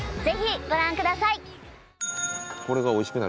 ぜひご覧ください。